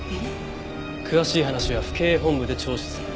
詳しい話は府警本部で聴取する。